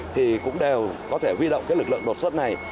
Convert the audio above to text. thì cũng đều có thể huy động cái lực lượng đột xuất này